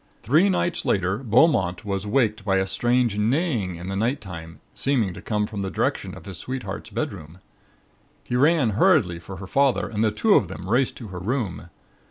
"Three nights later Beaumont was waked by a strange neighing in the nighttime seeming to come from the direction of his sweetheart's bedroom. He ran hurriedly for her father and the two of them raced to her room.